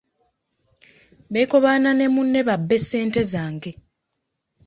Beekobaana ne munne babbe ssente zange.